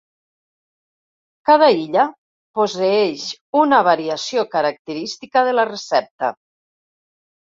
Cada illa posseeix una variació característica de la recepta.